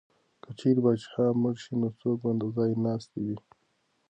که چېرې پاچا مړ شي نو څوک به ځای ناستی وي؟